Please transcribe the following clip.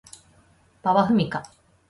馬場ふみか